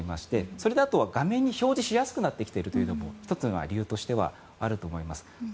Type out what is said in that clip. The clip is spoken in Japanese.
それだと画面に表示しやすくなってきているというのも１つの理由としてはあると思います。